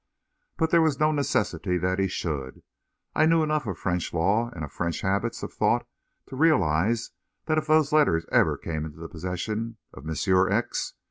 But there was no necessity that he should. I knew enough of French law and of French habits of thought to realise that if those letters ever came into possession of Monsieur X.